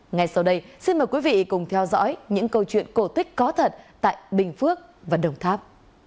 ngay sau đây xin mời quý vị cùng theo dõi những câu chuyện cổ tích có thật tại bình phước và đồng tháp